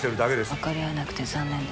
分かり合えなくて残念です。